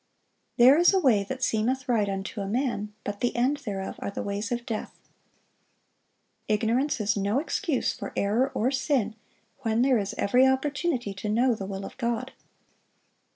"There is a way that seemeth right unto a man, but the end thereof are the ways of death."(1031) Ignorance is no excuse for error or sin, when there is every opportunity to know the will of God.